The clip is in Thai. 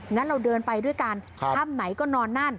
งั้นเราเดินไปด้วยกันค่ำไหนก็นอนนั่น